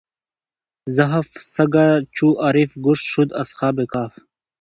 زحف سګ چو عارف ګشت شد اصحاب کهف.